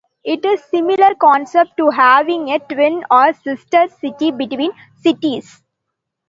It is a similar concept to having a twin or sister city between cities.